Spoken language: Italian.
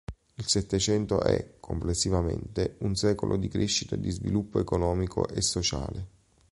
Il Settecento è, complessivamente, un secolo di crescita e di sviluppo economico e sociale.